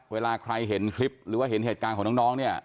เวลาใครเห็นคลิปหรือเห็นเหตุการณ์ของน้อง